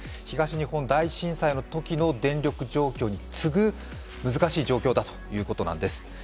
東日本大震災のときの電力状況に次ぐ難しい状況だということなんです。